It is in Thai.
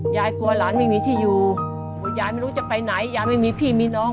ยายกลัวหลานไม่มีที่อยู่ยายไม่รู้จะไปไหนยายไม่มีพี่มีน้อง